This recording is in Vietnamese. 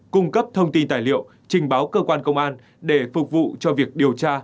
cung cấp thông tin tài liệu trình báo cơ quan công an để phục vụ cho việc điều tra